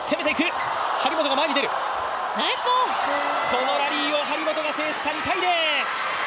このラリーを張本が制した。